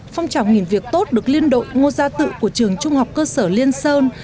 phong trào nghỉ việc tốt được liên đội ngô gia tự của trường trung học cơ sở liên sơn